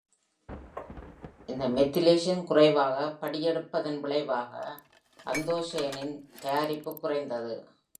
இந்த மெத்திலேஷன் குறைவாக படியெடுப்பதின் விளைவாக, அந்தோசயனினின் தயாரிப்பு குறைந்தது.